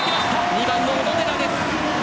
２番、小野寺です。